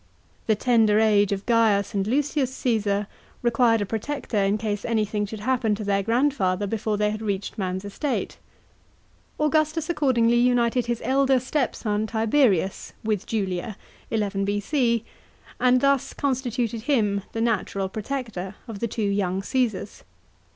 The tender age of Gaius and Lucius Caesar required a protector in case any thing should happen to their grandfather before they had reached man's estate. Augustus accordingly united his elder stepson Tiberius with Julia (11 B.C.), and thus con stituted him the natural protector of the two young Cassars.